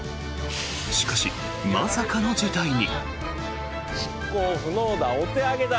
しかし、まさかの事態に。